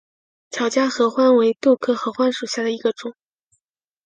巧家合欢为豆科合欢属下的一个种。